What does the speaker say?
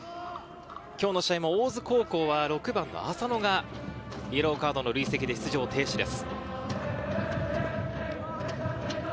今日の試合も大津高校は６番の浅野がイエローカードの累積で出場停止です。